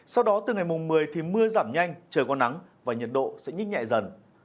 sau đó từ ngày mùng một mươi thì mưa giảm nhanh trời có nắng và nhiệt độ sẽ nhích nhẹ dần